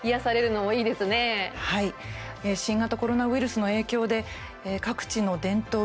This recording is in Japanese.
新型コロナウイルスの影響で各地の伝統行事